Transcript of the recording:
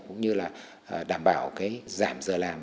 cũng như là đảm bảo cái giảm giờ làm